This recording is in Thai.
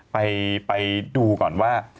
ไปดูก่อนว่า